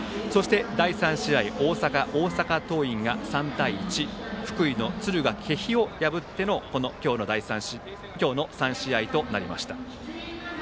第３試合は大阪桐蔭が３対１福井の敦賀気比を破っての今日の３試合となりました。